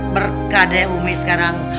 berkah deh umi sekarang